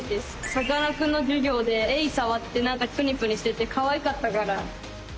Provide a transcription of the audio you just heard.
さかなクンの授業でエイ触って何かぷにぷにしててかわいかったから。